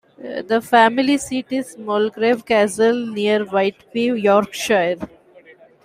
The family seat is Mulgrave Castle near Whitby, Yorkshire.